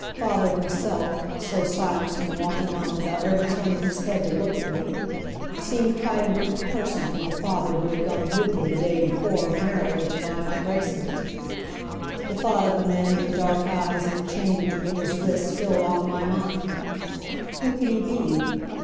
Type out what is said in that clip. Father himself, so silent and walking on without ever turning his head to look at me, seemed quite a different person from the father who had gone with me the day before, merrily, to buy my bracelet. The thought of the man with the dark eyes and the chain between his wrists filled all my mind. Who could he be?